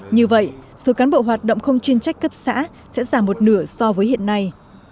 như vậy số cán bộ hoạt động không chuyên trách cấp xã sẽ giảm một nửa so với hiện nay